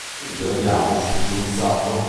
Figlio di Amos Luzzatto.